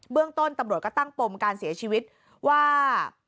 เรื่องต้นตำรวจก็ตั้งปมการเสียชีวิตว่า